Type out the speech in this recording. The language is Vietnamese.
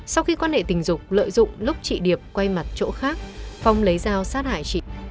sau khi quan hệ tình dục lợi dụng lúc chị điệp quay mặt chỗ khác phong lấy dao sát hại chị